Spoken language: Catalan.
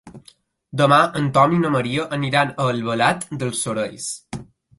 Demà en Tom i na Maria aniran a Albalat dels Sorells.